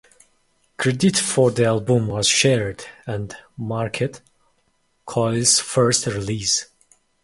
Credit for the album was shared, and marked Coil's first release.